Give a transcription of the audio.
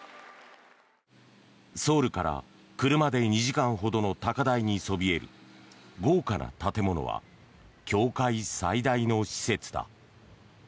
ソウルから車で２時間ほどの高台にそびえる豪華な建物は教会最大の施設だ。